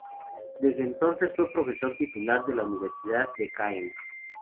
Desde entonces fue profesor titular de la Universidad de Caen.